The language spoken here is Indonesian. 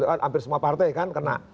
hampir semua partai kena